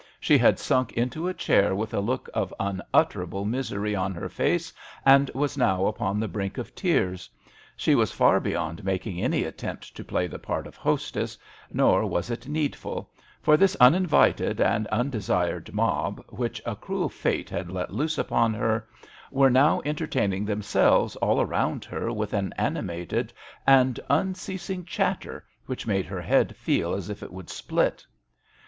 She had sunk into a chair with a look of unutterable misery on her face and was now upon the brink of tears. She was far beyond making any attempt to play the part of hostess, nor was it needful, for this uninvited and undesired mob, which a cruel fate had let loose upon her, were now enter taining themselves all around her with an animated and unceasing chatter which made her head feel as if it would split.